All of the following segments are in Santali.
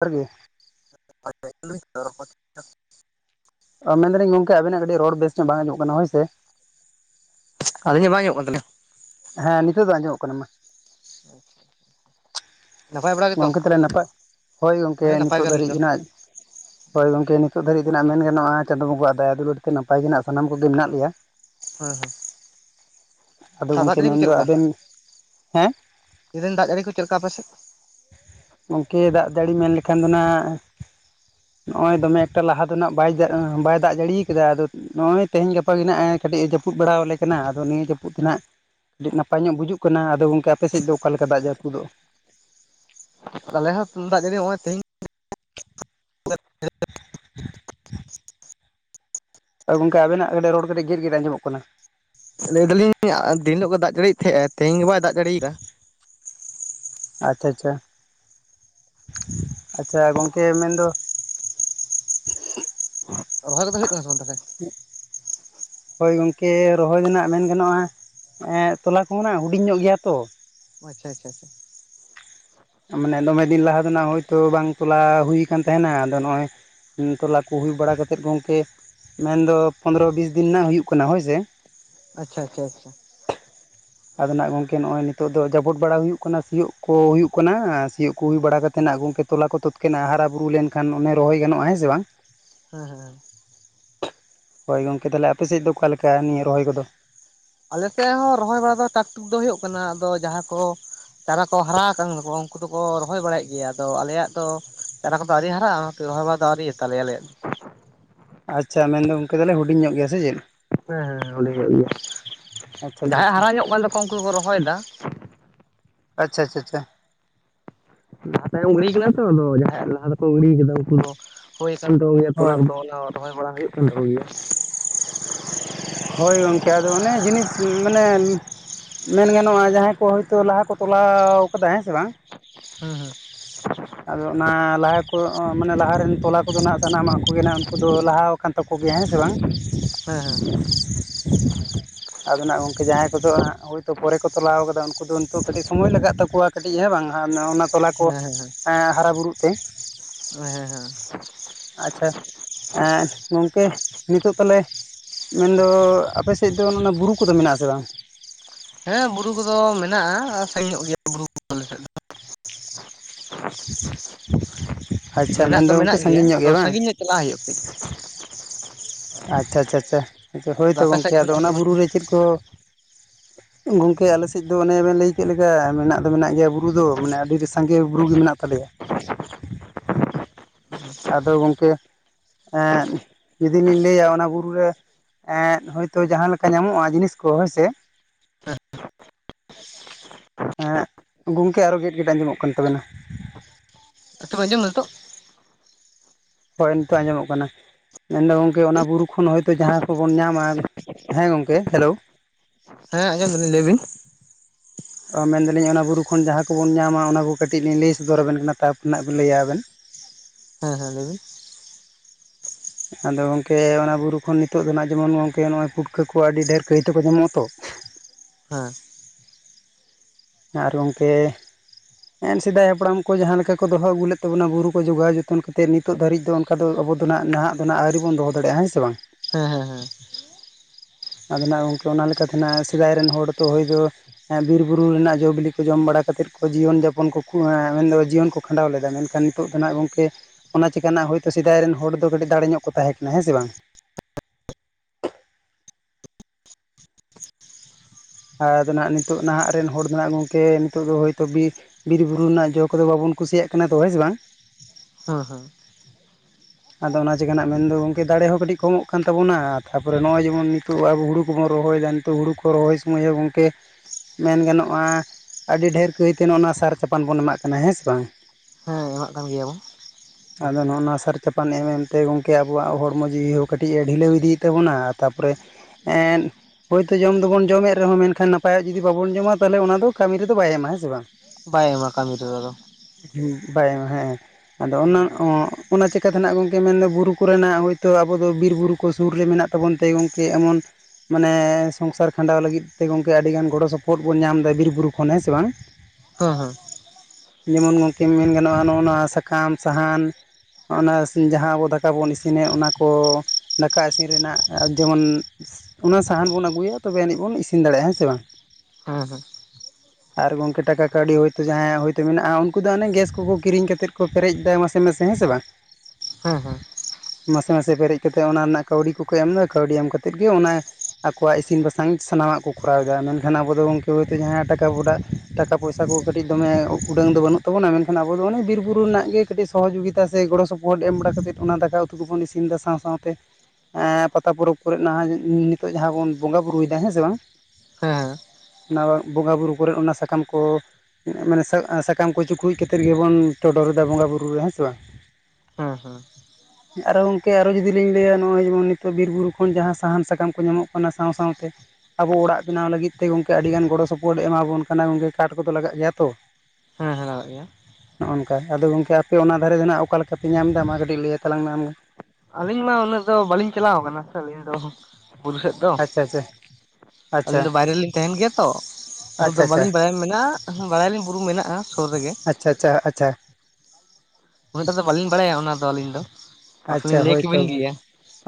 [unintelligible] ᱜᱮ [unintelligible] [unintelligible] ᱚ ᱢᱮᱱ ᱫᱟᱞᱤᱧ ᱜᱚᱝᱠᱮ ᱟᱵᱤᱱᱟᱜ ᱠᱟᱴᱤᱡ ᱨᱚᱲ ᱵᱮᱥ ᱧᱚᱜ ᱵᱟᱝ ᱟᱸᱡᱚᱢᱚᱜ ᱠᱟᱱᱟ ᱦᱳᱭ ᱥᱮ ᱟᱞᱤᱧᱟᱜ ᱵᱟᱝ ᱟᱱᱡᱚᱢᱚᱜ ᱠᱟᱱ ᱛᱟᱞᱤᱧᱟ? ᱦᱮᱸ ᱱᱤᱛᱳ ᱫᱚ ᱟᱸᱡᱚᱢᱚᱜ ᱠᱟᱱᱟ ᱢᱟ ᱟᱪᱪᱷᱟ ᱟᱪᱪᱷᱟ ᱟᱪᱪᱷᱟ ᱜᱚᱝᱠᱮ ᱛᱟᱦᱞᱮ ᱱᱟᱯᱟᱭ ᱦᱳᱭ ᱜᱚᱝᱠᱮ ᱦᱮᱸ ᱱᱟᱯᱟᱭ ᱱᱤᱛᱚᱜ ᱜᱮᱭᱟᱞᱤᱧ ᱤᱧ ᱫᱷᱟᱹᱨᱤᱡ ᱫᱚ ᱮᱱᱟ ᱦᱳᱭ ᱜᱚᱝᱠᱮ ᱱᱤᱛᱚᱜ ᱫᱷᱟᱹᱨᱤᱡ ᱫᱚᱱᱟᱜ ᱢᱮᱱ ᱜᱟᱱᱚᱜᱼᱟ ᱪᱟᱸᱫᱳ ᱵᱟᱹᱵᱩᱣᱟᱜ ᱫᱟᱭᱟ ᱫᱩᱞᱟᱹᱲ ᱛᱮ ᱱᱟᱯᱟᱭ ᱜᱮ ᱦᱱᱟᱜ ᱱᱟᱜ ᱥᱟᱱᱟ ᱠᱚᱜᱮ ᱢᱮᱱᱟᱜ ᱞᱮᱭᱟ᱾ ᱟᱫᱚ ᱜᱚᱝᱠᱮ ᱢᱮᱱᱫᱚ ᱟᱵᱮᱱ ᱦᱮᱸ ᱞᱟᱹᱭ ᱫᱟᱜ ᱡᱟᱹᱲᱤ ᱠᱚ ᱪᱮᱫᱮ ᱞᱮᱠᱟ ᱟᱯᱮᱥᱮᱫ ᱜᱚᱢᱠᱮ ᱫᱟᱜ ᱡᱟᱹᱲᱤ ᱢᱮᱱ ᱞᱮᱠᱷᱟᱱ ᱫᱚ ᱱᱟᱜ ᱱᱚᱜ ᱚᱭ ᱫᱚᱢᱮ ᱮᱠᱴᱟ ᱞᱟᱦᱟ ᱫᱚ ᱱᱟᱜ ᱵᱟᱭ ᱵᱟᱭ ᱫᱟᱜ ᱡᱟᱹᱲᱤᱭᱟ ᱠᱟᱫᱟ ᱟᱫᱚ ᱱᱚᱜᱼᱚᱭ ᱛᱮᱦᱮᱧ ᱜᱟᱯᱟ ᱜᱮ ᱱᱟᱜ ᱠᱟᱹᱴᱤᱡ ᱮ ᱡᱟᱹᱩᱫ ᱵᱟᱲᱟᱣᱟᱞᱮ ᱠᱟᱱᱟ ᱟᱫᱚ ᱱᱤᱭᱟᱹ ᱡᱟᱹᱯᱩᱫ ᱛᱮ ᱱᱟᱜ ᱟᱹᱰᱤ ᱱᱟᱯᱟᱭ ᱧᱚᱜ ᱵᱩᱡᱩᱜ ᱠᱟᱱᱟ ᱟᱫᱚ ᱜᱚᱝᱠᱮ ᱟᱯᱮᱥᱮᱫ ᱫᱚ ᱚᱠᱟᱮ ᱞᱮᱠᱟ ᱫᱟᱜ ᱡᱟᱠᱩᱫᱚᱜ ᱟᱞᱮ ᱦᱚᱸᱫᱟᱜ ᱡᱟᱲᱤ ᱦᱚᱸᱜᱚᱭ ᱛᱮᱦᱮᱧ [inaudible] ᱟᱨ ᱜᱚᱝᱠᱮ ᱟᱵᱮᱱᱟᱜ ᱠᱟᱴᱤᱡ ᱨᱚᱲ ᱠᱟᱴᱤᱡ ᱜᱮᱫ ᱜᱮᱫ ᱟᱸᱡᱚᱢᱚᱜ ᱠᱟᱱᱟ ᱾ ᱞᱟᱹᱭ ᱫᱟᱞᱤᱧ ᱫᱤᱱᱳᱜ ᱜᱮ ᱫᱟᱜ ᱡᱟᱹᱲᱤᱭᱮᱫ ᱛᱟᱦᱮᱸᱜᱟᱭ ᱛᱮᱦᱮᱧ ᱜᱮ ᱵᱟᱭ ᱫᱟᱜ ᱡᱟᱲᱤᱭᱫᱟ [inaudible] ᱟᱪᱪᱷᱟ ᱟᱪᱪᱷᱟ ᱟᱪᱪᱷᱟ ᱜᱚᱝᱠᱮ ᱢᱮᱱ ᱫᱚ [inaudible] ᱨᱚᱦᱚᱭ ᱠᱚᱫᱚ ᱦᱩᱭᱳᱜ ᱠᱟᱱᱟ ᱥᱮ ᱵᱟᱝ ᱛᱟᱦᱚᱞᱮ ᱦᱳᱭ ᱜᱚᱝᱠᱮ ᱨᱚᱦᱚᱭ ᱫᱚ ᱱᱟᱜ ᱢᱮᱱ ᱜᱟᱱᱚᱜᱼᱟ ᱮᱸ ᱛᱚᱞᱟ ᱠᱚᱦᱚᱸ ᱱᱟᱜ ᱦᱩᱰᱤᱧ ᱧᱚᱜ ᱜᱮᱭᱟ ᱛᱚ᱾ ᱟᱪᱪᱷᱟ ᱟᱪᱪᱷᱟ ᱟᱪᱪᱷᱟ ᱢᱟᱱᱮ ᱫᱚᱢᱮ ᱫᱤᱱ ᱞᱟᱦᱟ ᱫᱚᱱᱟᱜ ᱦᱳᱭᱛᱚ ᱵᱟᱝ ᱛᱚᱞᱟ ᱦᱩᱭᱠᱟᱱ ᱛᱟᱦᱮᱱᱟ ᱟᱫᱚ ᱱᱚᱜᱼᱚᱭ ᱛᱚᱞᱟ ᱠᱚ ᱦᱩᱭ ᱵᱟᱲᱟᱛᱜ ᱜᱚᱝᱠᱮ ᱢᱮᱱᱫᱚ ᱯᱚᱱᱫᱽᱨᱚ ᱵᱤᱥ ᱫᱤᱱ ᱱᱟᱜ ᱦᱩᱭᱩᱜ ᱠᱟᱱᱟ ᱦᱳᱭᱥᱮ ᱟᱪᱪᱷᱟ ᱟᱪᱪᱷᱟ ᱟᱪᱪᱷᱟ ᱟᱫᱚ ᱱᱟᱜ ᱜᱚᱢᱠᱮ ᱱᱚᱜᱼᱚᱭ ᱱᱤᱛᱚᱜ ᱫᱚ ᱡᱟᱯᱩᱫ ᱵᱟᱲᱟ ᱦᱩᱭᱩᱜ ᱠᱟᱱᱟ ᱥᱤᱭᱳᱜ ᱠᱚ ᱦᱩᱭᱩᱜ ᱠᱟᱱᱟ ᱟᱨ ᱥᱤᱭᱳᱜ ᱠᱚ ᱦᱩᱭ ᱵᱟᱲᱟ ᱠᱟᱛᱮ ᱱᱟᱜ ᱜᱚᱢᱠᱮ ᱾ ᱛᱚᱞᱟ ᱠᱚ ᱛᱚᱛᱠᱮᱱᱟᱜ ᱦᱟᱨᱟ ᱵᱩᱨᱩ ᱞᱮᱱᱠᱷᱟᱱ ᱚᱱᱮ ᱨᱚᱦᱚᱭ ᱜᱟᱱᱚᱜᱼᱟ ᱦᱮᱸ ᱥᱮ ᱵᱟᱝ ᱦᱮᱸ ᱦᱮᱸ ᱦᱮᱸ ᱦᱳᱭ ᱜᱚᱢᱠᱮ ᱛᱟᱦᱚᱞᱮ ᱟᱯᱮ ᱥᱮᱫ ᱫᱚ ᱚᱠᱟ ᱞᱮᱠᱟ ᱱᱤᱭᱟᱹ ᱨᱚᱦᱚᱭ ᱠᱚᱫᱚ ᱟᱞᱮ ᱥᱮᱫ ᱦᱚᱸ ᱨᱚᱦᱚᱭ ᱵᱟᱲᱟ ᱫᱚ ᱴᱟᱠ ᱴᱩᱠ ᱫᱚ ᱦᱩᱭᱩᱜ ᱠᱟᱱᱟ ᱟᱫᱚ ᱡᱟᱦᱟᱸ ᱠᱚ ᱪᱟᱨᱟ ᱠᱚ ᱦᱟᱨᱟ ᱠᱟᱱ ᱛᱟᱠᱚᱣᱟ ᱩᱱᱠᱩ ᱫᱚᱠᱚ ᱨᱚᱦᱚᱭ ᱵᱟᱲᱟᱭᱮᱫ ᱜᱮᱭᱟ ᱟᱫᱚ ᱟᱞᱮᱭᱟᱜ ᱫᱚ ᱪᱟᱨᱟ ᱠᱚᱫᱚ ᱟᱣᱮᱟᱨᱟᱜᱼᱟ ᱚᱱᱟᱛᱮ ᱨᱚᱦᱚᱭ ᱵᱟᱲᱟ ᱫᱚ ᱟᱣᱨᱤ ᱦᱳᱭᱳᱜ ᱛᱟᱞᱮᱭᱟ ᱟᱞᱮᱭᱟᱜ ᱟᱪᱪᱷᱟ ᱢᱮᱱᱫᱚ ᱜᱚᱢᱠᱮ ᱫᱚᱞᱮ ᱦᱩᱰᱤᱧ ᱧᱚᱜ ᱜᱮᱭᱟ ᱥᱮ ᱪᱮᱫ? ᱦᱮᱸ ᱦᱮᱸ ᱦᱩᱰᱤᱧ ᱧᱚᱜ ᱟᱪᱪᱷᱟ ᱜᱮᱭᱟ ᱡᱟᱦᱟᱸᱭᱟᱜ ᱟᱪᱪᱷᱟ ᱦᱟᱨᱟ ᱧᱚᱜ ᱠᱟᱱ ᱛᱟᱠᱚᱣᱟ ᱩᱱᱠᱩᱠᱚ ᱫᱚᱠᱚ ᱨᱚᱦᱚᱭᱫᱟ ᱾ ᱟᱪᱪᱷᱟ ᱟᱪᱪᱷᱟ ᱟᱪᱪᱷᱟ ᱞᱟᱦᱟ ᱛᱮᱠᱚ ᱜᱤᱲᱤ ᱠᱟᱫᱟ ᱛᱚ ᱟᱫᱚ ᱡᱟᱦᱟᱸᱭᱟᱜ ᱞᱟᱦᱟ ᱛᱮᱠᱚ ᱜᱤᱲᱤ ᱠᱟᱫᱟ ᱩᱱᱠᱩ ᱫᱚ ᱦᱳᱭ ᱦᱳᱭ ᱛᱚᱞᱟᱠ ᱫᱚ ᱚᱱᱟ ᱨᱚᱦᱚᱭ ᱵᱟᱲᱟ ᱦᱩᱭᱩᱜ ᱠᱟᱱ ᱛᱟᱠᱚᱜᱮᱭᱟ ᱦᱳᱭ ᱜᱚᱝᱠᱮ ᱟᱫᱚ ᱚᱱᱮ ᱡᱤᱱᱤᱥ ᱢᱟᱱᱮ ᱢᱮᱱ ᱜᱟᱱᱚᱜᱼᱟ ᱡᱟᱦᱟᱸᱭ ᱠᱚ ᱦᱳᱭᱛᱚ ᱞᱟᱦᱟ ᱠᱚ ᱛᱚᱞᱟᱣ ᱠᱟᱫᱟ ᱦᱮᱸ ᱥᱮ ᱵᱟᱝ ᱦᱮᱸ ᱦᱮᱸ ᱟᱫᱚ ᱚᱱᱟ ᱞᱟᱦᱟ ᱠᱚ ᱢᱟᱱᱮ ᱞᱟᱦᱟᱨᱮᱱ ᱛᱚᱞᱟ ᱠᱚᱫᱚ ᱱᱟᱜ ᱥᱟᱱᱟᱢᱟᱜ ᱠᱚᱜᱮ ᱦᱟᱜ ᱩᱱᱠᱩ ᱫᱚ ᱞᱟᱦᱟ [unintelligible] ᱛᱟᱠᱚᱜᱮᱭᱟ ᱦᱮᱸ ᱥᱮ ᱵᱟᱝ ᱦᱮᱸ ᱦᱮᱸ ᱟᱫᱚ ᱱᱟᱜ ᱜᱚᱝᱠᱮ ᱡᱟᱦᱟᱸᱭ ᱠᱚᱫᱚ ᱦᱟᱸᱜ ᱦᱳᱭᱛᱚ ᱯᱚᱨᱮ ᱠᱚ ᱛᱚᱞᱟᱣ ᱠᱟᱫᱟ ᱩᱱᱠᱩ ᱫᱚ ᱱᱤᱛᱳᱜ ᱠᱟᱹᱴᱤᱡ ᱥᱳᱢᱳᱭ ᱞᱟᱜᱟᱜ ᱛᱟᱠᱚᱣᱟ ᱠᱟᱹᱴᱤᱡ ᱦᱮᱸ ᱵᱟᱝ ᱚᱱᱟ ᱛᱚᱞᱟ ᱠᱚ ᱦᱮᱸ ᱦᱮᱸ ᱦᱮᱸ ᱦᱟᱨᱟ ᱵᱩᱨᱩᱜ ᱛᱮ ᱦᱮᱸ ᱦᱮᱸ ᱟᱪᱪᱷᱟ ᱜᱚᱝᱠᱮ ᱱᱤᱛᱳᱜ ᱛᱟᱦᱞᱮ ᱢᱮᱱᱫᱚ ᱟᱯᱮ ᱥᱮᱫ ᱫᱚ ᱚᱱᱟ ᱵᱩᱨᱩ ᱠᱚᱫᱚ ᱢᱮᱱᱟᱜ ᱟᱥᱮ ᱵᱟᱝ ᱾ ᱦᱮᱸ ᱵᱩᱨᱩ ᱠᱚᱫᱚ ᱢᱮᱱᱟᱜᱼᱟ ᱥᱟᱺᱜᱤ ᱧᱚᱜ ᱜᱮᱭᱟ ᱵᱩᱨᱩ [inaudible] ᱟᱪᱪᱷᱟ ᱢᱮᱱᱟᱜ ᱢᱮᱱᱫᱚ ᱫᱚ ᱜᱚᱢᱠᱮ ᱢᱮᱱᱟᱜ ᱜᱮᱭᱟ ᱥᱟᱺᱜᱤᱧ ᱧᱚᱜ ᱟᱫᱚ ᱵᱟᱝ ᱥᱟᱺᱜᱤᱧ ᱧᱚᱜ ᱪᱟᱞᱟᱜ ᱦᱳᱭᱳᱜᱼᱟ ᱠᱟᱹᱡ ᱟᱪᱪᱷᱟ ᱟᱪᱪᱷᱟ ᱟᱪᱪᱷᱟ ᱦᱳᱭ ᱛᱚ ᱟᱯᱮ ᱥᱮᱫ ᱜᱚᱝᱠᱮ ᱟᱫᱚ ᱢᱮᱱᱟᱜᱼᱟ ᱥᱮ ᱚᱱᱟ ᱵᱩᱨᱩ ᱨᱮ ᱪᱮᱫ ᱠᱚ ᱜᱚᱝᱠᱮ ᱟᱞᱮ ᱥᱮᱫ ᱫᱚ ᱚᱱᱮ ᱵᱮᱱ ᱞᱟᱹᱭ ᱠᱮᱫ ᱞᱮᱠᱟ ᱢᱮᱱᱟᱜ ᱫᱚ ᱢᱮᱱᱟᱜ ᱜᱮᱭᱟ ᱵᱩᱨᱩ ᱫᱚ ᱢᱟᱱᱮ ᱟᱹᱰᱤ ᱥᱟᱸᱜᱮ ᱵᱩᱨᱩ ᱜᱮ ᱢᱮᱱᱟᱜ ᱛᱟᱞᱮᱭᱟ ᱟᱫᱚ ᱜᱚᱝᱠᱮ ᱮᱫ ᱡᱩᱫᱤᱞᱤᱧ ᱞᱟᱹᱭᱟ ᱚᱱᱟ ᱵᱩᱨᱩ ᱨᱮ ᱮᱫ ᱦᱳᱭᱛᱳ ᱡᱟᱦᱟᱸ ᱞᱮᱠᱟ ᱧᱟᱢᱚᱜᱼᱟ ᱡᱤᱱᱤᱥ ᱠᱚ ᱦᱳᱭ ᱥᱮ ᱦᱮᱸ ᱮᱫ ᱜᱚᱢᱠᱮ ᱟᱨᱚ ᱜᱮᱫ ᱜᱮᱫ ᱟᱸᱡᱚᱢᱚᱜ ᱠᱟᱱ ᱛᱟᱵᱮᱱᱟ ᱦᱤᱛᱳᱜ ᱵᱤᱱ ᱟᱡᱚᱢ ᱫᱟ ᱦᱤᱛᱳᱜ ᱦᱳᱭ ᱱᱤᱛᱚᱜ ᱟᱸᱡᱚᱢᱚᱜ ᱠᱟᱱᱟ ᱢᱮᱱᱫᱚ ᱜᱚᱢᱠᱮ ᱚᱱᱟ ᱵᱩᱨᱩ ᱠᱷᱚᱱ ᱦᱚᱭᱛᱚ ᱡᱟᱦᱟᱸ ᱠᱚᱵᱚᱱ ᱧᱟᱢᱟ ᱦᱮᱸ, ᱜᱚᱢᱠᱮ ᱦᱮᱞᱳ ᱦᱮᱸ ᱟᱸᱡᱚᱢ ᱫᱟᱞᱤᱧ ᱞᱮ ᱵᱤᱱ ᱚ ᱢᱮᱱᱫᱟᱞᱤᱧ ᱚᱱᱟ ᱵᱩᱨᱩ ᱠᱷᱚᱱ ᱡᱟᱦᱟᱸ ᱠᱚᱵᱚᱱ ᱧᱟᱢᱟ ᱚᱱᱟ ᱠᱚ ᱠᱟᱹᱴᱤᱡ ᱞᱤᱧ ᱞᱟᱹᱭ ᱥᱚᱫᱚᱨ ᱟᱵᱮᱱ ᱠᱟᱱᱟ ᱛᱟᱯᱚᱨ ᱱᱟᱜ ᱵᱤᱱ ᱞᱟᱹᱭᱟ ᱟᱵᱮᱱ ᱦᱮᱸ ᱦᱮᱸ ᱞᱮ ᱵᱤᱱ ᱟᱫᱚ ᱜᱚᱝᱠᱮ ᱚᱱᱟ ᱵᱩᱨᱩ ᱠᱷᱚᱱ ᱱᱤᱛᱚᱜ ᱫᱚ ᱱᱟᱜ ᱡᱮᱢᱚᱱ ᱜᱚᱢᱠᱮ ᱱᱚᱜᱚᱭ ᱯᱩᱴᱠᱟᱹ ᱠᱚ ᱟᱹᱰᱤ ᱰᱷᱮᱨ ᱠᱟᱹᱭ ᱛᱮᱠᱚ ᱧᱟᱢᱚᱜ ᱟᱛᱚ ᱦᱮᱸ ᱟᱨ ᱜᱚᱢᱠᱮ ᱮᱫ ᱥᱮᱫᱟᱭ ᱦᱟᱯᱲᱟᱢ ᱠᱚ ᱡᱟᱦᱟᱸ ᱞᱮᱠᱟ ᱠᱚ ᱫᱚᱦᱚ ᱟᱹᱜᱩ ᱞᱮᱫ ᱛᱟᱵᱚᱱᱟ ᱵᱩᱨᱩ ᱠᱚ ᱡᱚᱜᱟᱣ ᱡᱚᱛᱚᱱ ᱠᱟᱛᱮᱫ ᱱᱤᱛ ᱱᱤᱛᱚᱜ ᱫᱷᱟᱹᱨᱤᱡ ᱫᱚ ᱚᱱᱠᱟ ᱫᱚ ᱟᱵᱚ ᱫᱚ ᱱᱟᱜ ᱱᱟᱦᱟᱜ ᱫᱚ ᱱᱟᱜ ᱟᱹᱣᱨᱤ ᱵᱚᱱ ᱫᱚᱦᱚ ᱫᱟᱲᱮᱭᱟᱜᱼᱟ ᱦᱮᱸ ᱥᱮ ᱵᱟᱝ ᱦᱮᱸ ᱦᱮᱸ ᱦᱮᱸ [unintelligible] [inaudible] [unintelligible] [inaudible] ᱟᱫᱚ ᱱᱟᱜ ᱜᱚᱝᱠᱮ ᱚᱱᱟ ᱞᱮᱠᱟᱛᱮᱱᱟᱜ ᱥᱮᱫᱟᱭ ᱨᱮᱱ ᱦᱚᱲ ᱛᱚ ᱦᱳᱭ ᱛᱚ ᱵᱤᱨ ᱵᱩᱨᱩ ᱨᱮᱱᱟᱜ ᱡᱚ ᱵᱤᱞᱤ ᱠᱚ ᱡᱚᱢ ᱵᱟᱲᱟ ᱠᱟᱛᱮᱫ ᱠᱚ ᱡᱤᱭᱚᱱ ᱡᱟᱯᱚᱱ ᱠᱚᱠᱚ ᱢᱮᱱ ᱫᱚ ᱡᱤᱭᱚᱱ ᱠᱚ ᱠᱷᱟᱸᱰᱟᱣ ᱞᱮᱫᱟ ᱢᱮᱱᱠᱷᱟᱱ ᱱᱤᱛᱚᱜ ᱫᱚ ᱱᱟᱜ ᱜᱚᱢᱠᱮ ᱚᱱᱟ ᱪᱤᱠᱟᱱᱟᱜ ᱦᱳᱭᱛᱳ ᱥᱮᱫᱟᱭ ᱨᱮᱱ ᱦᱚᱲ ᱫᱚ ᱠᱟᱹᱴᱤᱡ ᱫᱟᱲᱮ ᱧᱚᱜ ᱠᱚ ᱛᱟᱦᱮᱸ ᱠᱟᱱᱟ ᱦᱮᱸ ᱥᱮ ᱵᱟᱝ ᱟᱫᱚ ᱱᱟᱜ ᱱᱤᱛᱚᱜ ᱱᱟᱦᱟᱜ ᱨᱮᱱ ᱦᱚᱲ ᱫᱚ ᱟᱜ ᱜᱚᱢᱠᱮ ᱱᱤᱛᱚᱜ ᱫᱚ ᱦᱳᱭᱛᱳ [unintelligible] ᱵᱤᱨ ᱵᱩᱨᱩ ᱨᱮᱱᱟᱜ ᱡᱚ ᱠᱚᱫᱚ ᱵᱟᱵᱚᱱ ᱠᱩᱥᱤᱭᱟᱜ ᱠᱟᱱᱟ ᱛᱚ ᱦᱮ ᱥᱮ ᱵᱟᱝ ᱦᱮᱸ ᱦᱮᱸ ᱟᱫᱚ ᱚᱱᱟ ᱪᱤᱠᱟᱹᱱᱟᱜ ᱢᱮᱱᱫᱚ ᱜᱚᱢᱠᱮ ᱫᱟᱲᱮ ᱦᱚᱸ ᱠᱟᱹᱴᱤᱡ ᱠᱚᱢᱚᱜ ᱠᱟᱱ ᱛᱟᱵᱚᱱᱟ, ᱛᱟᱯᱚᱨᱮ ᱱᱚᱜᱼᱚᱭ ᱡᱮᱢᱚᱱ ᱱᱤᱛᱳᱜ ᱟᱵᱚ ᱦᱩᱲᱩ ᱠᱚᱵᱚᱱ ᱨᱚᱦᱚᱭᱫᱟ ᱛᱚ ᱦᱩᱲᱩ ᱠᱚ ᱨᱚᱦᱚᱭ ᱥᱩᱢᱟᱹᱭ ᱦᱚᱸ ᱜᱚᱝᱠᱮ ᱢᱮᱱ ᱜᱟᱱᱚᱜᱼᱟ ᱟᱹᱰᱤ ᱰᱷᱮᱨ ᱠᱟᱹᱭ ᱛᱮ ᱱᱚᱜ-ᱚ ᱱᱟ ᱥᱟᱨ ᱪᱟᱯᱟᱱ ᱵᱚᱱ ᱮᱢᱟᱜ ᱠᱟᱱᱟ ᱦᱮᱸ ᱥᱮ ᱵᱟᱝ ᱦᱮᱸ ᱮᱢᱟᱜ [unintelligible] [inaudible] ᱟᱫᱚ ᱱᱚᱜ-ᱚ ᱱᱟ ᱥᱟᱨ ᱪᱟᱯᱟᱱ ᱮᱢ ᱮᱢᱛᱮ ᱜᱚᱢᱠᱮ ᱟᱵᱚᱣᱟᱜ ᱦᱚᱲᱢᱚ ᱡᱤᱣᱤ ᱦᱚᱸ ᱠᱟᱹᱴᱤᱡ ᱮ ᱰᱷᱤᱞᱟᱹᱣ ᱤᱫᱤᱭᱮᱫ ᱛᱟᱵᱚᱱᱟ ᱛᱟᱯᱚᱨᱮ ᱮᱫ ᱦᱳᱭᱛᱳ ᱡᱚᱢ ᱫᱚᱵᱚᱱ ᱡᱚᱢᱮᱫ ᱨᱮᱦᱚᱸ ᱢᱮᱱᱠᱷᱟᱱ ᱱᱟᱯᱟᱭᱟᱜ ᱡᱩᱫᱤ ᱵᱟᱵᱚᱱ ᱡᱚᱢᱟ ᱛᱟᱦᱞᱮ ᱚᱱᱟ ᱫᱚ ᱠᱟᱹᱢᱤ ᱨᱮᱫᱚ ᱵᱟᱭ ᱮᱢᱟ ᱦᱮᱸ ᱥᱮ ᱵᱟᱝ ᱵᱟᱭ ᱮᱢᱟ ᱠᱟᱹᱢᱤ ᱨᱮᱫᱚ ᱟᱫᱚ ᱵᱟᱭ ᱮᱢᱟ ᱦᱮᱸ ᱟᱫᱚ ᱚᱱᱟ, ᱦᱮᱸ ᱦᱮᱸ ᱚᱱᱟ ᱪᱮᱠᱟ [unintelligible] ᱠᱷᱮᱛ ᱱᱟᱜ ᱜᱚᱝᱠᱮ ᱢᱮᱱᱫᱚ ᱵᱩᱨᱩ ᱠᱚ ᱨᱮᱱᱟᱜ ᱦᱚᱳᱭᱛᱳ ᱟᱵᱚ ᱫᱚ ᱵᱤᱨᱵᱩᱨᱩ ᱠᱚ ᱥᱩᱨ ᱨᱮ ᱢᱮᱱᱟᱜ ᱛᱟᱵᱚᱱ ᱛᱮ ᱜᱚᱝᱠᱮ ᱮᱢᱚᱱ ᱢᱟᱱᱮ ᱥᱚᱝᱥᱟᱨ ᱠᱷᱟᱸᱰᱟᱣ ᱞᱟᱹᱜᱤᱫ ᱛᱮ ᱜᱚᱝᱠᱮ ᱟᱹᱰᱤ ᱜᱟᱱ ᱜᱚᱲᱚ ᱥᱚᱯᱚᱦᱚᱫ ᱵᱚᱱ ᱧᱟᱢ ᱮᱫᱟ ᱵᱤᱨᱵᱩᱨᱩ ᱠᱷᱚᱱ, ᱦᱮᱸ ᱥᱮ ᱵᱟᱝ? ᱦᱩᱸ ᱦᱩᱸ ᱡᱮᱢᱚᱱ ᱜᱚᱝᱠᱮ ᱢᱮᱱ ᱜᱟᱱᱚᱜᱼᱟ ᱱᱚᱜᱼᱚᱭ ᱱᱚᱣᱟ ᱥᱟᱠᱟᱢ, ᱥᱟᱦᱟᱱ ᱚᱱᱟ ᱡᱟᱦᱟᱸ ᱟᱵᱚ ᱫᱟᱠᱟ ᱵᱚᱱ ᱤᱥᱤᱱᱮᱫ ᱚᱱᱟ ᱠᱚ ᱫᱟᱠᱟ ᱤᱥᱤᱱ ᱨᱮᱱᱟᱜ ᱡᱮᱢᱚᱱ ᱚᱱᱟ ᱥᱟᱦᱟᱱ ᱵᱚᱱ ᱟᱹᱜᱩᱭᱟ ᱛᱚᱵᱮ ᱟᱹᱱᱤᱡ ᱵᱚᱱ ᱤᱥᱤᱱ ᱫᱟᱲᱮᱭᱟᱜᱼᱟ ᱦᱮᱸ ᱥᱮ ᱵᱟᱝ? ᱦᱮᱸ ᱦᱮᱸ ᱦᱮᱸ ᱟᱨ ᱜᱚᱝᱠᱮ ᱴᱟᱠᱟ ᱠᱟᱹᱣᱰᱤ ᱦᱛᱭᱛᱳ ᱡᱟᱦᱟᱸᱭᱟᱜ ᱦᱚᱭᱛᱳ ᱢᱮᱱᱟᱜᱼᱟ, ᱩᱱᱠᱩ ᱫᱚ ᱦᱟᱱᱮ ᱜᱮᱥ ᱠᱚᱠᱚ ᱠᱤᱨᱤᱧ ᱠᱟᱛᱮ, ᱠᱚ ᱯᱮᱨᱮᱡ ᱮᱫᱟ ᱢᱟᱥᱮ ᱢᱮᱥᱮ ᱦᱮᱸ ᱥᱮ ᱵᱟᱝ ᱾ ᱦᱮᱸ ᱦᱮᱸ ᱦᱮᱸ ᱦᱮᱸ ᱢᱟᱥᱮ ᱢᱟᱥᱮ ᱯᱮᱨᱮᱡ ᱠᱟᱛᱮᱜ ᱚᱱᱟ ᱨᱮᱱᱟᱜ ᱠᱟᱹᱣᱰᱤ ᱠᱚᱠᱚ ᱮᱢᱫᱟ ᱠᱟᱹᱣᱰᱤ ᱮᱢ ᱠᱟᱛᱮ ᱜᱮ ᱚᱱᱟ ᱟᱠᱚᱣᱟᱜ ᱤᱥᱤᱱ ᱵᱟᱥᱟᱝ ᱥᱟᱱᱟᱢᱟᱜ ᱠᱚ ᱠᱚᱨᱟᱣ ᱮᱫᱟ ᱢᱮᱱᱠᱷᱟᱱ ᱟᱵᱚ ᱫᱚ ᱜᱚᱢᱠᱮ ᱦᱚᱭᱛᱳ ᱡᱟᱦᱟᱸ ᱴᱟᱠᱟ ᱵᱳᱰᱟᱜ ᱴᱟᱠᱟ ᱯᱚᱭᱥᱟᱹ ᱠᱚ ᱠᱟᱹᱴᱤᱡ ᱫᱚᱢᱮ ᱩᱰᱟᱹᱝ ᱫᱚ ᱵᱟᱹᱱᱩᱜ ᱛᱟᱵᱚᱱᱟ ᱾ ᱢᱮᱱᱠᱷᱟᱱ ᱟᱵᱚ ᱚᱱᱮ ᱵᱤᱨ ᱵᱩᱨᱩ ᱨᱮᱱᱟᱜ ᱜᱮ ᱠᱟᱹᱴᱤᱡ ᱥᱚᱦᱚᱡᱳᱜᱤᱛᱟ ᱥᱮ ᱜᱚᱲᱚ ᱥᱚᱯᱚᱦᱚᱫ [unintelligible] ᱮᱢ ᱵᱟᱲᱟ ᱠᱟᱛᱮᱫ ᱚᱱᱟ ᱫᱟᱠᱟ ᱩᱛᱩ ᱠᱚᱵᱚᱱ ᱤᱥᱤᱱᱫᱟ ᱥᱟᱶ ᱥᱟᱶᱛᱮ ᱮᱻ ᱯᱟᱛᱟ ᱯᱚᱨᱚᱵᱽ ᱠᱚᱨᱮ ᱱᱟᱦᱟᱜ ᱱᱤᱛᱚᱜ ᱡᱟᱦᱟᱸ ᱵᱚᱱ ᱵᱚᱸᱜᱟ ᱵᱩᱨᱩᱭᱫᱟ ᱦᱮᱸ ᱥᱮ ᱵᱟᱝ ᱦᱮᱸ ᱚᱱᱟ ᱵᱚᱸᱜᱟ ᱵᱩᱨᱩ ᱠᱚᱨᱮᱫ ᱚᱱᱟ ᱥᱟᱠᱟᱢ ᱠᱚ ᱢᱟᱱᱮ ᱥᱟᱠᱟᱢ ᱠᱚ ᱪᱩᱠᱲᱩᱡ ᱠᱟᱛᱮ ᱜᱮᱵᱚᱱ ᱪᱚᱰᱚᱨᱮᱫᱟ ᱵᱚᱸᱜᱟ ᱵᱩᱨᱩ ᱨᱮ, ᱦᱮᱸ ᱥᱮ ᱵᱟᱝ? ᱦᱩᱸ ᱦᱩᱸ ᱾ ᱟᱨᱚ ᱜᱚᱝᱠᱮ ᱟᱨᱚ ᱡᱩᱫᱤ ᱞᱤᱧ ᱞᱟᱹᱭᱟ ᱱᱚᱜᱼᱚᱭ ᱡᱮᱢᱚᱱ ᱱᱤᱛᱚᱜ ᱵᱤᱨᱼᱵᱩᱨᱩ ᱠᱷᱚᱱ ᱡᱟᱦᱟᱸ ᱥᱟᱦᱟᱱ ᱥᱟᱠᱟᱢ ᱠᱚ ᱧᱟᱢᱚᱜ ᱠᱟᱱᱟ ᱥᱟᱶ ᱥᱟᱶᱛᱮ ᱾ ᱟᱵᱚ ᱚᱲᱟᱜ ᱵᱮᱱᱟᱣ ᱞᱟᱹᱜᱤᱫ ᱛᱮ ᱜᱚᱝᱠᱮ ᱟᱹᱰᱤ ᱜᱟᱱ ᱜᱚᱲᱚ ᱥᱚᱯᱚᱦᱚᱫ ᱮᱢᱟ ᱵᱚᱱ ᱠᱟᱱᱟ ᱜᱚᱝᱠᱮ ᱠᱟᱴ ᱠᱚᱫᱚ ᱞᱟᱜᱟ ᱜᱮᱭᱟ ᱛᱚ ᱾ ᱦᱮᱸ ᱦᱮᱸ ᱾ ᱱᱚᱜᱼᱚ ᱱᱚᱝᱠᱟ ᱾ ᱟᱫᱚ ᱜᱚᱝᱠᱮ ᱟᱯᱮ ᱚᱱᱟ ᱫᱷᱟᱨᱮ ᱫᱚ ᱦᱟᱸᱜ ᱚᱠᱟ ᱞᱮᱠᱟ ᱯᱮ ᱧᱟᱢᱫᱟ? ᱢᱟ ᱠᱟᱹᱴᱤᱡ ᱞᱟᱹᱭ ᱛᱟᱞᱟᱝ ᱢᱮ ᱟᱢᱜᱮ ᱾ ᱟᱹᱞᱤᱧ ᱢᱟ ᱩᱱᱟᱹᱜ ᱫᱚ ᱵᱟᱹᱞᱤᱧ ᱪᱟᱞᱟᱣ ᱟᱠᱟᱱᱟ ᱥᱮ ᱟᱹᱞᱤᱧ ᱫᱚ ᱵᱩᱨᱩ ᱥᱮᱫ ᱾ ᱟᱪᱪᱷᱟ ᱟᱪᱪᱷᱟ ᱾ ᱟᱹᱞᱤᱧ ᱫᱚ ᱵᱟᱭᱨᱮ ᱨᱮᱞᱤᱧ ᱛᱟᱦᱮᱸᱱ ᱜᱮᱭᱟ ᱛᱚ ᱾ ᱩᱱᱟᱹᱜ ᱫᱚ ᱟᱪᱪᱷᱟ ᱟᱪᱪᱷᱟ ᱵᱟᱹᱞᱤᱧ ᱵᱟᱲᱟᱭᱟ ᱢᱮᱱᱟᱜᱼᱟ ᱵᱟᱲᱟᱭᱟᱞᱤᱧ ᱵᱩᱨᱩ ᱢᱮᱱᱟᱜᱼᱟ ᱥᱩᱨ ᱨᱮᱜᱮ ᱾ ᱟᱪᱪᱷᱟ ᱟᱪᱪᱷᱟ ᱟᱪᱪᱷᱟ ᱾ ᱩᱱᱟᱹᱴᱟᱜ ᱫᱚ ᱵᱟᱹᱞᱤᱧ ᱵᱟᱲᱟᱭᱟ ᱚᱱᱟᱫᱚ ᱟᱹᱞᱤᱧ ᱫᱚ ᱾ ᱟᱪᱪᱷᱟ, ᱦᱳᱭ ᱛᱚ ᱜᱚᱝᱠᱮ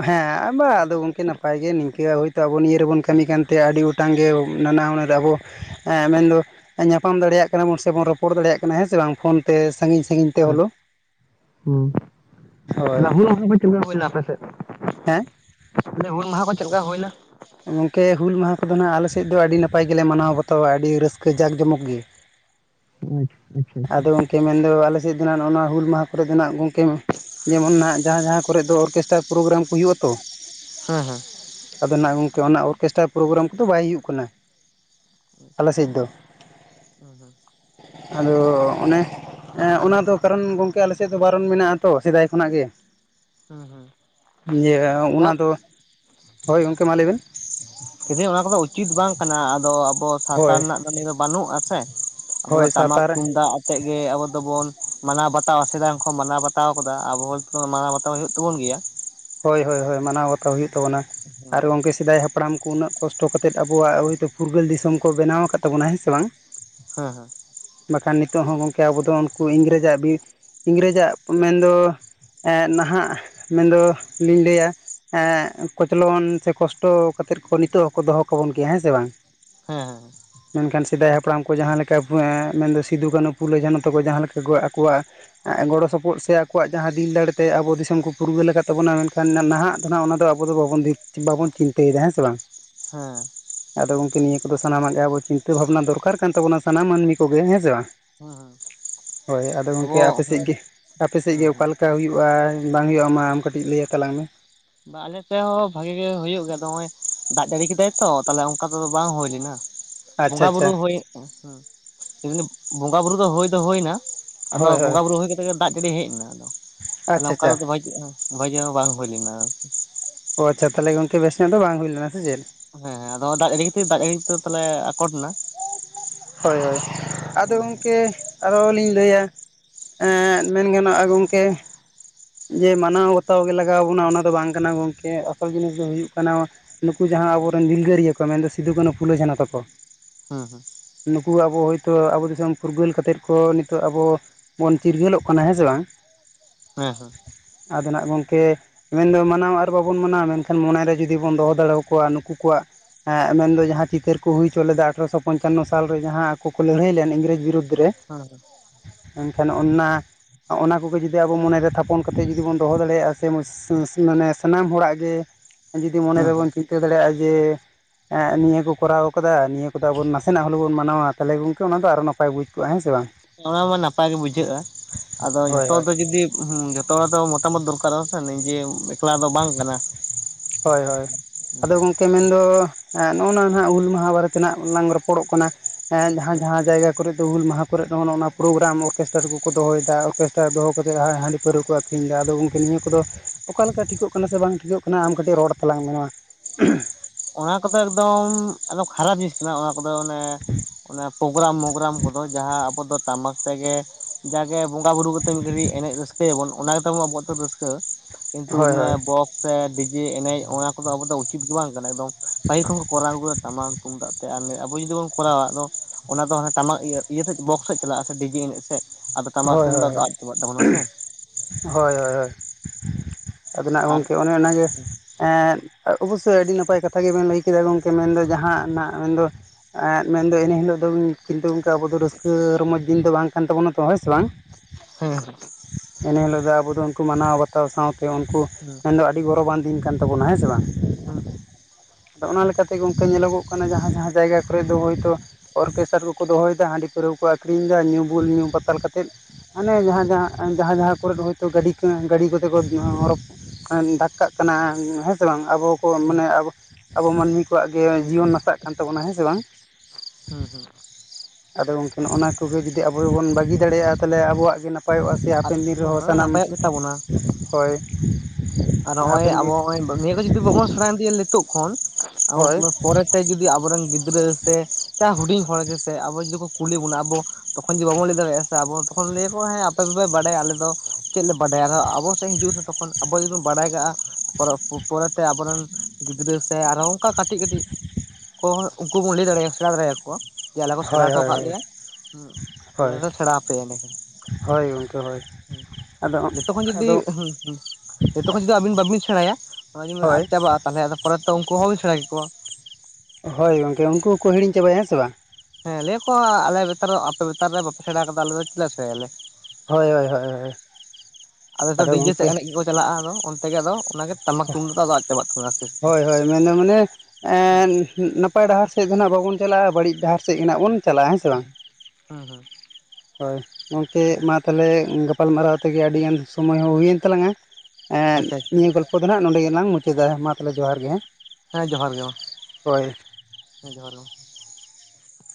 ᱦᱮᱸ, ᱵᱟᱝ ᱟᱫᱚ ᱜᱚᱝᱠᱮ ᱱᱟᱯᱟᱭ ᱜᱮ ᱱᱤᱝᱠᱟᱹ ᱦᱳᱭᱛᱳ ᱟᱵᱚ ᱱᱤᱭᱟᱹ ᱨᱮᱵᱚᱱ ᱠᱟᱹᱢᱤ ᱠᱟᱱᱛᱮ ᱟᱹᱰᱤ ᱢᱤᱫᱴᱟᱝ ᱜᱮ ᱱᱟᱱᱟ ᱦᱩᱱᱟᱹᱨ ᱟᱵᱚ ᱢᱮᱱᱫᱚ ᱧᱟᱯᱟᱢ ᱫᱟᱲᱮᱭᱟᱜ ᱠᱟᱱᱟ ᱵᱚᱱ ᱥᱮ ᱵᱚᱱ ᱨᱚᱯᱚᱲ ᱫᱟᱲᱮᱭᱟᱜ ᱠᱟᱱᱟ ᱾ ᱦᱮᱸ ᱥᱮ ᱵᱟᱝ? ᱯᱷᱳᱱ ᱛᱮ ᱥᱟᱹᱜᱤᱧ ᱥᱟᱹᱜᱤᱧ ᱛᱮ ᱦᱚᱞᱮᱣ ᱦᱩᱸ, ᱦᱳᱭ ᱦᱩᱞ ᱢᱟᱦᱟ ᱪᱮᱫ ᱞᱮᱠᱟ ᱦᱩᱭᱮᱱᱟ ᱟᱯᱮ ᱥᱮᱫ? ᱦᱮᱸ ᱾ ᱦᱩᱞ ᱢᱟᱦᱟ ᱠᱚ ᱪᱮᱫᱞᱮᱠᱟ ᱦᱩᱭᱱᱟ? ᱜᱚᱝᱠᱮ ᱦᱩᱞ ᱢᱟᱦᱟ ᱠᱚᱫᱚ ᱦᱟᱸᱜ ᱟᱞᱮ ᱥᱮᱫ ᱫᱚ, ᱟᱹᱰᱤ ᱱᱟᱯᱟᱭ ᱜᱮᱞᱮ ᱢᱟᱱᱟᱣ ᱵᱟᱛᱟᱣᱟ ᱟᱹᱰᱤ ᱨᱟᱹᱥᱠᱟᱹ ᱡᱟᱠ ᱡᱚᱢᱚᱠ ᱜᱮ ᱾ ᱟᱪᱪᱷᱟ ᱟᱪᱪᱷᱟ ᱟᱪᱪᱷᱟ ᱾ ᱪᱮ ᱢᱮᱱ ᱫᱚ ᱟᱞᱮ ᱥᱮᱫ ᱫᱚ ᱱᱚᱜᱼᱚᱱᱟ ᱦᱩᱞ ᱢᱟᱦᱟ ᱠᱚᱨᱮ ᱫᱚ ᱱᱟᱜ ᱜᱚᱝᱠᱮ ᱡᱮᱢᱚᱱ ᱱᱟᱦᱜ ᱡᱟᱦᱟᱸ ᱡᱟᱦᱟᱸ ᱠᱚᱨᱮ ᱫᱚ ᱚᱨᱠᱮᱥᱴᱨᱟ ᱯᱨᱳᱜᱨᱟᱢ ᱠᱚ ᱦᱩᱭᱩᱜᱼᱟ ᱛᱚ ᱾ ᱦᱮᱸ ᱦᱮᱸ ᱟᱫᱚ ᱱᱟᱜ ᱜᱚᱝᱠᱮ ᱚᱱᱟ ᱚᱨᱠᱮᱥᱴᱟᱨ ᱯᱨᱳᱜᱨᱟᱢ ᱠᱚᱫᱚ ᱵᱟᱭ ᱦᱩᱭᱩᱜ ᱠᱟᱱᱟ ᱟᱞᱮ ᱥᱮᱫ ᱫᱚ ᱾ ᱦᱩᱸ ᱦᱩᱸ ᱾ ᱟᱫᱚ ᱚᱱᱮ ᱦᱮᱸ, ᱚᱱᱟ ᱫᱚ ᱠᱟᱨᱚᱱ ᱜᱚᱝᱠᱮ ᱟᱞᱮ ᱥᱮᱫ ᱫᱚ ᱵᱟᱨᱚᱱ ᱢᱮᱱᱟᱜᱼᱟ ᱛᱚ ᱥᱮᱫᱟᱭ ᱠᱷᱚᱱᱟᱜ ᱜᱮ ᱾ ᱦᱮᱸ ᱦᱮᱸ ᱤᱭᱟᱹ ᱚᱱᱟ ᱵᱟᱝ ᱫᱚ ᱦᱳᱭ ᱜᱚᱝᱠᱮ, ᱢᱟ ᱞᱟᱹᱭ ᱵᱮᱱ? ᱠᱤᱱᱛᱩ ᱚᱱᱟ ᱠᱚᱫᱚ ᱩᱪᱤᱛ ᱵᱟᱝ ᱠᱟᱱᱟ ᱟᱫᱚ ᱟᱵᱚ ᱥᱟᱶᱛᱟ ᱦᱳᱭ ᱨᱮᱱᱟᱜ ᱫᱚ ᱱᱤᱭᱟᱹ ᱫᱚ ᱵᱟᱹᱱᱩᱜ ᱟᱥᱮ ᱾ ᱟᱵᱚ ᱫᱚ ᱦᱳᱭ ᱴᱟᱢᱟᱠ ᱥᱟᱶᱛᱟ ᱨᱮ ᱛᱩᱢᱫᱟᱜ ᱠᱟᱛᱮ ᱜᱮ ᱟᱵᱚ ᱫᱚᱵᱚᱱ ᱢᱟᱱᱟᱣ ᱵᱟᱛᱟᱣᱟ, ᱥᱮᱫᱟᱭ ᱠᱷᱚᱱ ᱢᱟᱱᱟᱣ ᱵᱟᱛᱟᱣ ᱠᱟᱫᱟ, ᱟᱵᱚ ᱦᱚᱲ ᱢᱟᱱᱟᱣ ᱵᱟᱛᱟᱣ ᱦᱩᱭᱩᱜ ᱛᱟᱵᱚᱱ ᱜᱮᱭᱟ ᱾ ᱦᱳᱭ ᱦᱳᱭ ᱦᱳᱭ ᱢᱟᱱᱟᱣ ᱵᱟᱛᱟᱣ ᱦᱩᱭᱩᱜ ᱛᱟᱵᱚᱱᱟ ᱾ ᱦᱮᱸ ᱟᱨ ᱜᱚᱝᱠᱮ ᱥᱮᱫᱟᱭ ᱦᱟᱯᱲᱟᱢ ᱠᱚ ᱩᱱᱟᱹᱜ ᱠᱚᱥᱴᱚ ᱠᱟᱛᱮᱫ ᱟᱵᱚᱣᱟᱜ ᱦᱚᱭᱛᱳ ᱯᱷᱩᱨᱜᱟᱹᱞ ᱫᱤᱥᱚᱢ ᱠᱚ ᱵᱮᱱᱟᱣ ᱟᱠᱟᱫ ᱛᱟᱵᱚᱱᱟ ᱾ ᱦᱮᱸ ᱥᱮ ᱵᱟᱝ? ᱦᱮᱸ ᱦᱮᱸ᱾ ᱵᱟᱠᱷᱟᱱ ᱱᱤᱛᱚᱜ ᱦᱚᱸ ᱜᱚᱝᱠᱮ ᱟᱵᱚ ᱩᱱᱠᱩ ᱤᱝᱨᱮᱡᱟᱜ ᱵᱤᱨ ᱤᱝᱨᱮᱡᱟᱜ ᱢᱮᱱ ᱫᱚ ᱮᱸ ᱱᱟᱦᱟᱸᱜ ᱢᱮᱱ ᱫᱚ ᱞᱤᱧ ᱞᱟᱹᱭᱟ ᱦᱮᱸ ᱠᱚᱪᱞᱚᱱ ᱥᱮ ᱠᱚᱥᱴᱚ ᱠᱟᱛᱮᱫ ᱠᱚ ᱱᱤᱛᱚᱜ ᱦᱚᱸᱠᱚ ᱫᱚᱦᱚ ᱠᱟᱵᱚᱱ ᱜᱮᱭᱟ ᱦᱮᱸ ᱥᱮ ᱵᱟᱝ ᱦᱮᱸ ᱢᱮᱱᱠᱷᱟᱱ ᱥᱮᱫᱟᱭ ᱦᱟᱯᱲᱟᱢ ᱠᱚ ᱡᱟᱦᱟᱸ ᱞᱮᱠᱟ ᱢᱮᱱᱫᱚ ᱥᱤᱫᱩᱼ ᱠᱟᱹᱱᱦᱩ ᱯᱩᱞᱟᱹ ᱡᱷᱟᱱᱚ ᱛᱟᱠᱚ ᱡᱟᱦᱟᱸ ᱞᱮᱠᱟ ᱠᱚ ᱟᱠᱚᱣᱟᱜ ᱜᱚᱲᱚ ᱥᱚᱯᱚᱦᱚᱫ ᱥᱮ ᱟᱠᱚᱣᱟᱜ ᱡᱟᱦᱟᱸ ᱫᱤᱞ ᱫᱟᱲᱮᱛᱮ ᱟᱵᱚ ᱫᱤᱥᱚᱢ ᱠᱚ ᱯᱷᱩᱨᱜᱟᱹᱞ ᱟᱠᱟᱫ ᱛᱟᱵᱚᱱᱟ ᱢᱮᱱᱠᱷᱟᱱ ᱮᱱᱠᱷᱟᱱ ᱱᱟᱦᱟᱸᱜ ᱫᱚᱱᱟᱜ ᱚᱱᱟ ᱫᱚ ᱟᱵᱚ ᱫᱚ ᱵᱟ ᱵᱟᱵᱚᱱ ᱪᱤᱱᱛᱟᱹᱭᱮᱫᱟ ᱦᱮᱸ ᱥᱮ ᱵᱟᱝ ᱦᱮᱸ ᱟᱫᱚ ᱜᱚᱢᱠᱮ ᱱᱤᱭᱟᱹ ᱠᱚᱫᱚ ᱥᱟᱱᱟᱢᱟᱜ ᱜᱮ ᱟᱵᱚ ᱪᱤᱱᱛᱟᱹ ᱵᱷᱟᱵᱽᱱᱟ ᱫᱚᱨᱠᱟᱨ ᱠᱟᱱ ᱛᱟᱵᱚᱱᱟ ᱥᱟᱱᱟᱢ ᱢᱟᱹᱱᱢᱤ ᱠᱚᱜᱮ ᱦᱮᱸ ᱥᱮ ᱵᱟᱝ ᱦᱩᱸ [inaudible] ᱦᱳᱭ ᱟᱫᱚ ᱜᱚᱢᱠᱮ ᱟᱯᱮ ᱥᱮᱫ ᱜᱮ ᱟᱯᱮ ᱥᱮᱫ ᱦᱮᱸ ᱜᱮ ᱚᱠᱟ ᱦᱮᱸ ᱞᱮᱠᱟ ᱦᱩᱭᱩᱜᱼᱟ, ᱵᱟᱝ ᱦᱩᱭᱩᱜᱼᱟ‌, ‌ᱢᱟ ᱟᱢ ᱠᱟᱹᱴᱤᱡ ᱞᱟᱹᱭ ᱛᱟᱞᱟᱝ ᱢᱮ ᱾ ᱵᱟ ᱟᱞᱮ ᱥᱮᱫ ᱦᱚᱸ ᱵᱷᱟᱜᱤ ᱜᱮ ᱦᱩᱭᱩᱜ ᱜᱮᱭᱟ ᱾ᱟᱫᱚ ᱱᱚᱜᱼᱚᱭ ᱫᱟᱜ ᱡᱟᱹᱲᱤ ᱠᱮᱫᱟᱭ ᱛᱚ ᱛᱟᱦᱞᱮ ᱚᱱᱠᱟ ᱛᱚ ᱵᱟᱝ ᱦᱩᱭ ᱞᱮᱱᱟ ᱾ ᱵᱚᱸᱜᱟ ᱟᱪᱪᱷᱟ ᱵᱩᱨᱩ ᱟᱪᱪᱷᱟ ᱦᱩᱭᱱᱟ ᱵᱚᱸᱜᱟ ᱵᱩᱨᱩ ᱫᱚ ᱦᱩᱭ ᱫᱚ ᱦᱩᱭᱱᱟ ᱟᱫᱚ ᱦᱳᱭ ᱦᱳᱭ ᱵᱚᱸᱜᱟ ᱵᱩᱨᱩ ᱦᱩᱭ ᱠᱟᱛᱮᱜ ᱜᱮ ᱫᱟᱜ ᱡᱟᱹᱲᱤ ᱦᱮᱡ ᱮᱱᱟ ᱟᱫᱚ ᱛᱟᱦᱮ ᱟᱪᱪᱷᱟ ᱚᱱᱠᱟ ᱟᱪᱪᱷᱟ ᱫᱚ [unintelligible] ᱦᱚᱸ ᱵᱟᱝ ᱦᱩᱭ ᱞᱮᱱᱟ ᱚ ᱟᱪᱪᱷᱟ ᱛᱟᱦᱚᱞᱮ ᱜᱚᱢᱠᱮ ᱵᱮᱥ ᱧᱚᱜ ᱫᱚ ᱵᱟᱝ ᱦᱩᱭ ᱞᱮᱱᱟ ᱥᱮ ᱪᱮᱫ ᱦᱮᱸ ᱦᱮᱸ ᱟᱫᱚ ᱫᱟᱜ ᱡᱟᱹᱲᱤ ᱠᱷᱟᱹᱛᱤᱨ ᱫᱟᱜ ᱡᱟᱹᱲᱤ [inaudible] ᱠᱟᱛᱮ ᱛᱟᱦᱚᱞᱮ ᱟᱠᱚᱴ ᱮᱱᱟ ᱦᱳᱭ ᱦᱳᱭ ᱟᱫᱚ ᱦᱮᱸ ᱜᱚᱢᱠᱮ ᱟᱨᱚ ᱞᱤᱧ ᱞᱟᱹᱭᱟ ᱢᱮᱱ ᱜᱟᱱᱚᱜᱼᱟ ᱜᱚᱝᱠᱮ ᱡᱮ ᱢᱟᱱᱟᱣ ᱵᱟᱛᱟᱣ ᱜᱮ ᱞᱟᱜᱟᱣ ᱵᱚᱱᱟ ᱚᱱᱟ ᱫᱚ ᱵᱟᱝ ᱠᱟᱱᱟ ᱜᱚᱝᱠᱮ ᱟᱥᱚᱞ ᱡᱤᱱᱤᱥ ᱫᱚ ᱦᱩᱭᱩᱜ ᱠᱟᱱᱟ ᱱᱩᱠᱩ ᱡᱟᱦᱟᱸ ᱟᱵᱚᱨᱮᱱ ᱫᱤᱞᱜᱟᱹᱨᱤᱭᱟᱹ ᱠᱚ ᱢᱮᱱᱫᱚ ᱥᱤᱫᱩᱼ ᱠᱟᱹᱱᱩ ᱯᱷᱩᱞᱟᱹ ᱡᱷᱟᱱᱚ ᱛᱟᱠᱚ ᱦᱮᱸ ᱦᱮᱸ ᱱᱩᱠᱩ ᱟᱵᱚ ᱦᱚᱭᱛᱳ ᱟᱵᱚ ᱫᱤᱥᱚᱢ ᱯᱷᱩᱨᱜᱟᱹᱞ ᱠᱟᱛᱮᱫ ᱠᱚ ᱱᱤᱛᱚᱜ ᱟᱵᱚ ᱵᱚᱱ ᱪᱤᱨᱜᱟᱹᱞᱚᱜ ᱠᱟᱱᱟ ᱦᱮᱸ ᱥᱮ ᱵᱟᱝ ᱦᱮᱸ ᱦᱮᱸ ᱟᱫᱚ ᱱᱟᱜ ᱜᱚᱢᱠᱮ ᱢᱮᱱᱫᱚ ᱢᱟᱱᱟᱣ ᱟᱨ ᱵᱟᱵᱚᱱ ᱢᱟᱱᱟᱣᱟ ᱢᱮᱱᱠᱷᱟᱱ ᱢᱚᱱᱮᱨᱮ ᱡᱩᱫᱤ ᱵᱚᱱ ᱫᱚᱦᱚ ᱫᱟᱲᱮᱭᱟᱠᱚᱣᱟ ᱱᱩᱠᱩ ᱠᱚᱣᱟᱜ ᱢᱮᱱᱫᱚ ᱡᱟᱦᱟᱸ ᱪᱤᱛᱟᱹᱨ ᱠᱚ ᱦᱩᱭᱪᱚ ᱞᱮᱫᱟ ᱟᱴᱷᱨᱚᱥᱚ ᱯᱚᱧᱪᱟᱱᱱᱚ ᱥᱟᱞ ᱨᱮ ᱡᱟᱦᱟᱸ ᱟᱠᱚ ᱠᱚ ᱞᱟᱹᱲᱦᱟᱹᱭ ᱞᱮᱱ ᱤᱝᱨᱮᱡᱽ ᱵᱤᱨᱩᱫᱽ ᱨᱮ ᱦᱮᱸ ᱢᱮᱱᱠᱷᱟᱱ ᱚᱱᱟ ᱚᱱᱟ ᱠᱚᱜᱮ ᱡᱩᱫᱤ ᱟᱵᱚ ᱢᱚᱱᱮᱨᱮ ᱛᱷᱟᱯᱚᱱ ᱠᱟᱛᱮ ᱡᱩᱫᱤ ᱵᱚᱱ ᱫᱚᱦᱚ ᱫᱟᱲᱮᱭᱟᱜᱼᱟ ᱥᱮ ᱢᱟᱱᱮ ᱥᱟᱱᱟᱢ ᱦᱚᱲᱟᱜ ᱜᱮ ᱡᱩᱫᱤ ᱢᱚᱱᱮ ᱦᱮᱸ ᱦᱮᱸ ᱨᱮᱵᱚᱱ ᱴᱤᱠᱟᱹᱣ ᱫᱟᱲᱮᱭᱟᱜᱼᱟ ᱡᱮ ᱱᱤᱭᱟᱹ ᱠᱚ ᱠᱚᱨᱟᱣ ᱟᱠᱟᱫᱟ ᱱᱤᱭᱟᱹ ᱠᱚᱫᱚ ᱟᱵᱚ ᱱᱟᱥᱮᱱᱟᱜ ᱦᱚᱞᱮ ᱵᱚᱱ ᱢᱟᱱᱟᱣᱟ ᱛᱟᱦᱚᱞᱮ ᱜᱚᱝᱠᱮ ᱚᱱᱟᱫᱚ ᱟᱨᱚ ᱱᱟᱯᱟᱭ ᱵᱩᱡᱽ ᱠᱚᱜᱼᱟ ᱦᱮᱸ ᱥᱮ ᱵᱟᱝ ᱚᱱᱟ ᱢᱟ ᱱᱟᱯᱟᱭ ᱜᱮ ᱵᱩᱡᱷᱟᱹᱜᱼᱟ ᱟᱫᱚ ᱦᱳᱭ ᱡᱷᱚᱛᱚ ᱦᱳᱭ ᱫᱚ ᱡᱩᱫᱤ ᱦᱩ ᱡᱷᱚᱛᱚ ᱦᱚᱲᱟᱜ ᱫᱚ ᱢᱚᱛᱟᱢᱚᱛ ᱫᱚᱨᱠᱟᱨᱚᱜ ᱥᱮ ᱡᱮ ᱮᱠᱞᱟ ᱫᱚ ᱵᱟᱝ ᱠᱟᱱᱟ ᱦᱳᱭ ᱦᱳᱭ ᱟᱫᱚ ᱜᱚᱢᱠᱮ ᱢᱮᱱᱫᱚ ᱱᱚᱜᱼᱚ ᱱᱟ ᱦᱟᱹᱜ ᱦᱩᱞ ᱢᱟᱦᱟ ᱵᱟᱨᱮᱛᱮ ᱦᱟᱸᱜ ᱞᱟᱝ ᱨᱚᱯᱚᱲᱚᱜ ᱠᱟᱱᱟ ᱦᱮᱸ ᱡᱟᱦᱟᱸ ᱡᱟᱦᱟᱸ ᱡᱟᱭᱜᱟ ᱠᱚᱨᱮ ᱫᱚ ᱦᱩᱞ ᱢᱟᱦᱟ ᱠᱚᱨᱮ ᱫᱚ ᱚᱱᱟ ᱯᱨᱳᱜᱨᱟᱢ ᱚᱨᱠᱮᱥᱴᱟᱨ ᱠᱚᱠᱚ ᱫᱚᱦᱚᱭᱮᱫᱟ ᱚᱨᱠᱮᱥᱴᱟᱨ ᱫᱚᱦᱚ ᱠᱟᱛᱮᱫ ᱦᱟᱺᱰᱤ ᱯᱟᱹᱣᱨᱟᱹ ᱠᱚ ᱟᱹᱠᱷᱨᱤᱧ ᱮᱫᱟ ᱟᱫᱚ ᱜᱚᱢᱠᱮ ᱱᱤᱭᱟᱹ ᱠᱚᱫᱚ ᱚᱠᱟ ᱞᱮᱠᱟ ᱴᱷᱤᱠᱚᱜ ᱠᱟᱱᱟ ᱥᱮ ᱵᱟᱝ ᱴᱷᱤᱠᱚᱜ ᱠᱟᱱᱟ ᱟᱢ ᱠᱟᱹᱴᱤᱡ ᱨᱚᱲ ᱛᱟᱞᱟᱝ ᱢᱮ ᱢᱟ ᱚᱱᱟ ᱠᱚᱫᱚ ᱮᱠᱫᱚᱢ ᱟᱫᱚ ᱠᱷᱟᱨᱟᱯ ᱡᱤᱱᱤᱥ ᱠᱟᱱᱟ ᱚᱱᱟ ᱠᱚᱫᱚ ᱚᱱᱮ ᱚᱱᱮ ᱯᱨᱳᱜᱨᱟᱢ ᱢᱳᱜᱨᱟᱢ ᱠᱚᱫᱚ ᱡᱟᱦᱟᱸ ᱟᱵᱚᱫᱚ ᱴᱟᱢᱟᱠ ᱛᱮᱜᱮ ᱡᱟᱜᱮ ᱵᱚᱸᱜᱟ ᱵᱩᱨᱩ ᱠᱟᱛᱮᱫ ᱢᱤᱫ ᱜᱷᱟᱹᱲᱤᱡ ᱮᱱᱮᱡ ᱨᱟᱹᱥᱠᱟᱹᱭᱟᱵᱚᱱ ᱚᱱᱟ ᱜᱮ ᱛᱟᱵᱚᱱ ᱟᱵᱚᱣᱟᱜ ᱫᱚ ᱨᱟᱹᱥᱠᱟᱹ ᱫᱚ ᱠᱤᱱᱛᱩ ᱦᱳᱭ ᱦᱳᱭ ᱵᱚᱠᱥ ᱥᱮ ᱰᱤᱡᱮ ᱮᱱᱮᱡ ᱚᱱᱟ ᱠᱚᱫᱚ ᱟᱵᱚ ᱫᱚ ᱩᱪᱤᱛ ᱜᱮ ᱵᱟᱝ ᱠᱟᱱᱟ ᱮᱠᱫᱚᱢ ᱯᱟᱹᱦᱤᱞ ᱠᱷᱚᱱ ᱠᱚ ᱠᱚᱨᱟᱣ ᱟᱹᱜᱩᱫᱟ ᱴᱟᱢᱟᱠ ᱛᱩᱢᱫᱟᱜ ᱛᱮ ᱟᱨ ᱟᱵᱚ ᱡᱩᱫᱤ ᱵᱚᱱ ᱠᱚᱨᱟᱣᱟ ᱟᱫᱚ ᱚᱱᱟ ᱫᱚ ᱦᱟᱱᱮ ᱴᱟᱢᱟᱠ ᱤᱭᱟᱹ ᱤᱭᱟᱹ ᱥᱮᱫ ᱵᱚᱠᱥ ᱥᱮᱫ ᱪᱟᱞᱟᱜᱼᱟ ᱥᱮ ᱰᱤᱡᱮ ᱮᱱᱮᱡ ᱥᱮᱫ ᱟᱫᱚ ᱴᱟᱢᱟᱠ ᱦᱳᱭ ᱦᱳᱭ ᱛᱩᱢᱫᱟᱜ ᱫᱚ ᱟᱫ ᱪᱟᱵᱟᱜ ᱛᱟᱵᱚᱱᱟ ᱥᱮ ᱦᱳᱭ ᱦᱳᱭ ᱦᱳᱭ ᱟᱫᱚ ᱱᱟᱜ ᱟᱨ ᱜᱚᱢᱠᱮ ᱚᱱᱮ ᱚᱱᱟᱜᱮ ᱚᱵᱚᱥᱥᱳᱭ ᱟᱹᱰᱤ ᱱᱟᱯᱟᱭ ᱠᱟᱛᱷᱟ ᱜᱮᱵᱮᱱ ᱞᱟᱹᱭ ᱠᱮᱫᱟ ᱜᱚᱢᱠᱮ ᱢᱮᱱᱫᱚ ᱡᱟᱦᱟᱸ ᱱᱟᱜ ᱢᱮᱱᱫᱚ ᱢᱮᱱᱫᱚ ᱤᱱᱟᱹ ᱦᱤᱞᱳᱜ ᱫᱚ ᱠᱤᱱᱛᱩ ᱚᱱᱠᱟ ᱟᱵᱚ ᱫᱚ ᱨᱟᱹᱥᱠᱟᱹ ᱨᱚᱢᱚᱡᱽ ᱫᱤᱱ ᱫᱚ ᱵᱟᱝ ᱠᱟᱱ ᱛᱟᱵᱚᱱᱟ ᱛᱚ ᱦᱳᱭ ᱥᱮ ᱵᱟᱝ ᱦᱮᱸ ᱮᱱᱮ ᱦᱤᱞᱚᱹᱜ ᱫᱚ ᱟᱵᱚ ᱫᱚ ᱩᱱᱠᱩ ᱢᱟᱱᱟᱣ ᱵᱟᱛᱟᱣ ᱥᱟᱶᱛᱮ ᱩᱱᱠᱩ ᱢᱮᱱ ᱫᱚ ᱟᱹᱰᱤ ᱜᱚᱨᱚᱵᱟᱱ ᱫᱤᱱ ᱠᱟᱱ ᱛᱟᱵᱚᱱᱟ ᱦᱮᱸ ᱥᱮ ᱵᱟᱝ ᱦᱮᱸ ᱫᱚ ᱚᱱᱟ ᱞᱮᱠᱟ ᱛᱮ ᱜᱟᱝᱠᱮ ᱧᱮᱞᱚᱜᱚᱜ ᱠᱟᱱᱟ ᱡᱟᱦᱟᱸᱼ ᱡᱟᱦᱟᱸ ᱡᱟᱭᱜᱟ ᱠᱚᱨᱮ ᱫᱚ ᱦᱳᱭᱛᱳ ᱚᱨᱠᱮᱥᱴᱟᱨ ᱠᱚᱠᱚ ᱫᱚᱦᱚᱭᱮᱫᱟ ᱦᱟᱺᱰᱤ ᱯᱟᱹᱣᱨᱟᱹ ᱠᱚ ᱟᱠᱷᱨᱤᱧᱮᱫᱟ ᱧᱩ ᱵᱩᱞ ᱧᱩ ᱯᱟᱛ ᱢᱟᱛᱟᱞ ᱠᱟᱛᱮᱫ ᱦᱟᱱᱮ ᱡᱟᱦᱟᱸ ᱡᱟᱦᱟᱸ ᱡᱟᱦᱟᱸ ᱡᱟᱦᱟᱸ ᱠᱚᱨᱮᱫ ᱦᱭᱛᱚ ᱜᱟᱹᱰᱤ ᱠᱚ ᱜᱟᱹᱰᱤ ᱠᱚᱛᱮ ᱠᱚ ᱦᱚᱨᱚᱜ ᱦᱮᱸ ᱫᱷᱟᱠᱟᱜ ᱠᱟᱱᱟ ᱦᱮᱸ ᱥᱮ ᱵᱟᱝ ᱟᱵᱚ ᱠᱚ ᱢᱟᱱᱮ ᱟᱵᱚ ᱟᱵᱚ ᱢᱟᱹᱱᱢᱤ ᱠᱚᱣᱟᱜ ᱜᱮ ᱡᱤᱭᱚᱱ ᱱᱟᱥᱟᱜ ᱠᱟᱱ ᱛᱟᱵᱚᱱᱟ ᱦᱮᱸ ᱥᱮ ᱵᱟᱝ ᱦᱮᱸ ᱦᱮᱸ ᱟᱫᱚ ᱜᱚᱝᱠᱮ ᱱᱚᱜᱼᱚ‌ ᱱᱚᱣᱟ ᱠᱚᱜᱮ ᱡᱩᱫᱤ ᱟᱵᱚ ᱜᱮᱵᱚᱱ ᱵᱟᱹᱜᱤ ᱫᱟᱲᱮᱭᱟᱜᱼᱟ ᱛᱟᱦᱚᱞᱮ ᱟᱵᱚᱣᱟᱜ ᱜᱮ ᱱᱟᱯᱟᱭᱚᱜᱼᱟ ᱥᱮ ᱟᱨ ᱦᱟᱯᱮᱱ ᱫᱤᱱ ᱦᱮᱸ ᱨᱮᱦᱚᱸ ᱚᱱᱟ ᱫᱚ ᱥᱟᱱᱟᱢ ᱱᱟᱯᱟᱭᱚᱜ ᱜᱮᱛᱟ ᱵᱚᱱᱟ ᱦᱚᱭ ᱟᱨ ᱱᱚᱜᱼᱚᱭ ᱦᱟᱯᱮᱱ ᱫᱤᱱ ᱟᱵᱚ ᱱᱤᱭᱟᱹ ᱫᱚ ᱡᱩᱫᱤ ᱵᱟᱵᱚᱱ ᱥᱮᱬᱟ ᱤᱱᱫᱤᱭᱟ ᱱᱤᱛᱚᱜ ᱠᱷᱚᱱ ᱟᱵᱚ ᱦᱳᱭ [unintelligible] ᱯᱚᱨᱮ ᱛᱮ ᱡᱩᱫᱤ ᱟᱵᱚᱨᱮᱱ ᱜᱤᱫᱽᱨᱟᱹ ᱥᱮ ᱦᱩᱰᱤᱧ ᱦᱚᱲ ᱜᱮ ᱥᱮ ᱟᱵᱚ ᱡᱩᱫᱤ ᱠᱚ ᱠᱩᱞᱤ ᱵᱚᱱᱟ ᱟᱵᱚ ᱛᱚᱠᱷᱚᱱ ᱡᱩᱤ ᱵᱟᱵᱚᱱ ᱞᱟᱹᱭ ᱫᱟᱲᱮᱭᱟᱜᱼᱟ ᱟᱵᱚ ᱦᱚ ᱛᱚᱠᱷᱚᱱ ᱞᱟᱹᱭ ᱟᱠᱚᱣᱟ ᱦᱮ ᱟᱯᱮ ᱫᱚᱯᱮ ᱵᱟᱰᱟᱭᱟ ᱟᱞᱮ ᱫᱚ ᱪᱮᱫ ᱞᱮ ᱵᱟᱰᱟᱭᱟ ᱟᱨᱦᱚ ᱟᱵᱚ ᱥᱮᱫ ᱦᱤᱡᱩᱜᱼᱟ ᱥᱮ ᱛᱚᱠᱷᱚᱱ ᱟᱵᱚ ᱡᱩᱫᱤᱵᱚᱱ ᱵᱟᱲᱟᱭ ᱠᱟᱜᱼᱟ ᱯᱚᱨᱮ ᱛᱮ ᱟᱵᱚᱨᱮᱱ ᱜᱤᱫᱽᱨᱟᱹ ᱥᱮ ᱟᱨᱦᱚᱸ ᱚᱱᱠᱟ ᱠᱟᱹᱴᱤᱡ ᱠᱟᱹᱴᱤᱡ ᱠᱚ ᱩᱱᱠᱩ ᱵᱚᱱ ᱞᱟᱹᱭ ᱫᱟᱲᱮ ᱥᱮᱬᱟ ᱫᱟᱲᱮᱭᱟᱠᱚᱣᱟ ᱡᱮ ᱟᱞᱮ ᱠᱚ ᱥᱮᱬᱟ ᱦᱳᱭ ᱦᱚᱴᱚ ᱦᱳᱭ ᱠᱟᱜ ᱦᱳᱭ ᱞᱮᱭᱟ ᱟᱞᱮ ᱦᱳᱭ ᱞᱮ ᱥᱮᱬᱟ ᱟᱯᱮᱭᱟ ᱮᱸᱰᱮᱠᱷᱟᱱ ᱦᱳᱭ ᱜᱚᱢᱠᱮ ᱦᱳᱭ ᱟᱫᱚ ᱡᱚᱛᱚ ᱠᱷᱚᱱ ᱡᱩᱫᱤ ᱟᱫᱚ ᱡᱚᱛᱚ ᱠᱷᱚᱱ ᱡᱩᱫᱤ ᱟᱹᱵᱤᱱ ᱵᱟᱹᱵᱤᱱ ᱥᱮᱬᱟᱭᱟ ᱚᱱᱟ ᱡᱩᱫᱤ ᱦᱳᱭ ᱟᱫ ᱪᱟᱵᱟᱜᱼᱟ ᱛᱟᱦᱚᱞᱮ ᱟᱫᱚ ᱯᱚᱨᱮ ᱛᱮ ᱩᱱᱠᱩ ᱦᱚᱸ ᱵᱟᱹᱵᱤᱱ ᱥᱮᱬᱟ ᱠᱮᱠᱚᱣᱟ ᱾ ᱦᱳᱭ ᱜᱚᱝᱠᱮ ᱩᱱᱠᱩ ᱦᱚᱠᱚ ᱦᱤᱲᱤᱧ ᱪᱟᱵᱟᱭᱟ ᱦᱮᱸ ᱥᱮ ᱵᱟᱝ? ᱦᱮᱸ ᱞᱟᱹᱭᱟᱠᱚ ᱟᱞᱮ ᱵᱮᱛᱟᱨ ᱨᱮ ᱟᱯᱮ ᱵᱮᱛᱟᱨ ᱨᱮ ᱵᱟᱯᱮ ᱥᱮᱬᱟ ᱠᱟᱫᱟ ᱟᱞᱮ ᱫᱚ ᱪᱮᱫᱟᱜ ᱥᱮᱬᱟᱭᱟᱞᱮ ᱾ ᱦᱳᱭ ᱦᱳᱭ ᱦᱳᱭ ᱾ ᱱᱤᱛᱚᱜ ᱟᱫᱚ ᱰᱤᱡᱮ ᱥᱮᱫ ᱜᱚᱝᱠᱮ ᱮᱱᱮᱡ ᱜᱮᱠᱚ ᱪᱟᱞᱟᱜᱼᱟ ᱟᱫᱚ ᱚᱱᱛᱮ ᱜᱮ ᱟᱫᱚ ᱚᱱᱟᱜᱮ ᱴᱟᱢᱟᱠ ᱛᱩᱢᱫᱟᱜ ᱫᱚ ᱟᱫᱚ ᱟᱫ ᱪᱟᱵᱟᱜ ᱠᱟᱱᱟ ᱟᱥᱛᱮ ᱟᱥᱛᱮ ᱾ ᱢᱮᱱ ᱫᱚ ᱢᱟᱱᱮ ᱱᱟᱯᱟᱭ ᱰᱟᱦᱟᱨ ᱥᱮᱫ ᱫᱚ ᱱᱟ ᱦᱟᱜ ᱵᱟᱵᱚᱱ ᱪᱟᱞᱟᱜᱼᱟ ᱵᱟᱹᱲᱤᱡ ᱰᱟᱦᱟᱨ ᱥᱮᱫ ᱜᱮ ᱦᱟᱜ ᱵᱚᱱ ᱪᱟᱞᱟᱜᱼᱟ ᱥᱮ ᱵᱟᱝ ᱦᱮᱸ ᱦᱮᱸ ᱦᱳᱭ ᱜᱚᱢᱠᱮ ᱢᱟ ᱛᱟᱦᱚᱞᱮ ᱜᱟᱯᱟᱞᱢᱟᱨᱟᱣ ᱛᱮᱜᱮ ᱟᱹᱰᱤᱜᱟᱱ ᱥᱚᱢᱚᱭ ᱦᱚᱸ ᱦᱩᱭᱮᱱ ᱛᱟᱞᱟᱝᱟ ᱮᱸ ᱟᱪᱪᱷᱟ ᱟᱪᱪᱷᱟ ᱱᱤᱭᱟᱹ ᱜᱚᱞᱯᱚ ᱫᱚ ᱱᱟᱦᱟᱜ ᱱᱚᱰᱮ ᱜᱮᱞᱟᱝ ᱢᱩᱪᱟᱹᱫᱟ ᱾ ᱢᱟ ᱛᱟᱦᱞᱮ ᱡᱚᱦᱟᱨ ᱜᱮ ᱦᱮᱸ ᱦᱮᱸ ᱡᱚᱦᱟᱨ ᱜᱮ ᱦᱳᱭ ᱾ ᱦᱮᱸ ᱡᱚᱦᱟᱨ ᱜᱮ